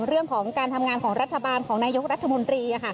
เรื่องของการทำงานของรัฐบาลของนายกรัฐมนตรี